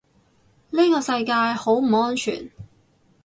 呢個世界好唔安全